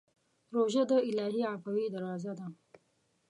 روژه د الهي عفوې دروازه ده.